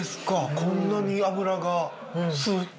こんなに脂がスーッと。